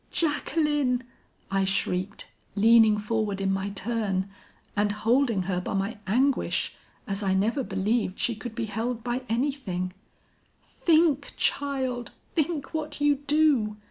"'Jacqueline!' I shrieked, leaning forward in my turn, and holding her by my anguish, as I never believed she could be held by anything, 'Think, child, think what you do!